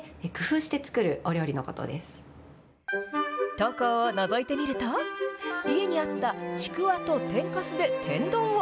投稿をのぞいてみると、家にあったちくわと天かすで天丼を。